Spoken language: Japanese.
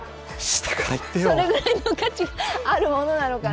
それぐらいの価値があるものなのかなと。